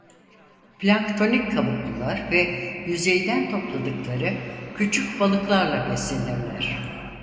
Planktonik kabuklular ve yüzeyden topladıkları küçük balıklarla beslenirler.